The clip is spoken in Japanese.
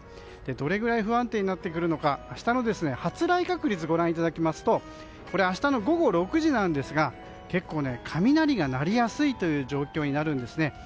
どれぐらい不安定になってくるのか明日の発雷確率をご覧いただきますと明日の午後６時なんですが結構、雷が鳴りやすいという状況になるんですね。